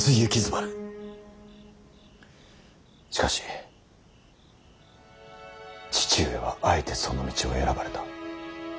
しかし父上はあえてその道を選ばれた。